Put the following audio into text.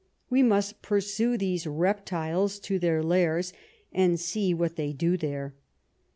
We must pursue these reptiles to their lairs and see what they do there.